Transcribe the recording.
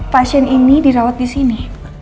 pasien ini dirawat disini